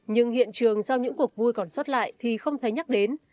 nhưng hiện trường sau những cuộc vui còn sót lại thì không thấy nhắc đến